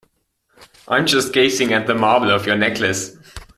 I'm just gazing at the marble of your necklace.